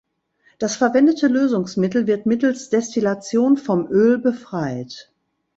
Das verwendete Lösungsmittel wird mittels Destillation vom Öl befreit.